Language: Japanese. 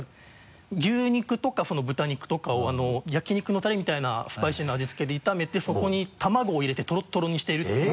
牛肉とか豚肉とかを焼き肉のタレみたいなスパイシーな味付けで炒めてそこに卵を入れてトロットロにしてるっていう。